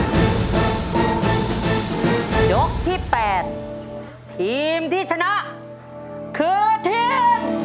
สามารถสร้างล่าฝันเป็นปายชนะ